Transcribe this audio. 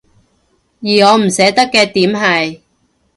而我唔捨得嘅點係